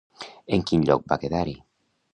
En quin lloc va quedar-hi?